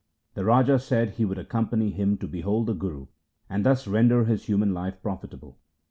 The Raja said he would accompany him to behold the Guru, and thus render his human life profitable.